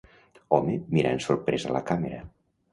Home mirant sorprès a la càmera.